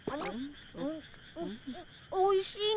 おいしいね